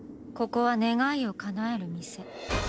ここは願をかなえるミセ。